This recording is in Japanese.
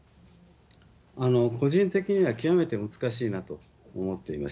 個人的には極めて難しいなと思っています。